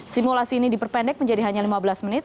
simulasi ini diperpendek menjadi hanya lima belas menit